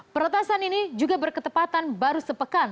peretasan ini juga berketepatan baru sepekan